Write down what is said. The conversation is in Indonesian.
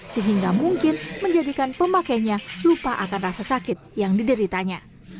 sehingga mungkin menjadikan pemakainya lupa akan rasa sakit yang dideritanya